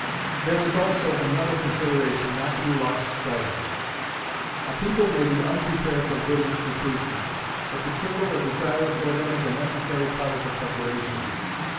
There is also another consideration not to be lost sight of. A people may be unprepared for good institutions; but to kindle a desire for them is a necessary part of the preparation.